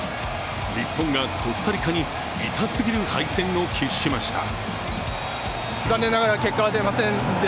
日本がコスタリカに痛すぎる敗戦を喫しました。